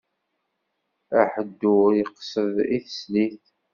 Aḥeddur iqsed i teslit.